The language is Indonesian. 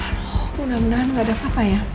halo mudah mudahan gak ada papa ya